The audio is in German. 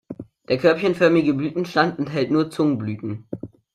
Der körbchenförmige Blütenstand enthält nur Zungenblüten.